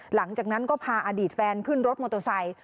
หลังจากนั้นก็พาอดีตแฟนขึ้นรถมอเตอร์ไซค์